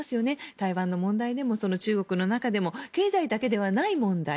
台湾の中でも中国の中でも経済だけではない問題。